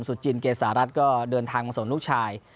สุจินเกษารัฐก็เดินทางมาส่งลูกชาย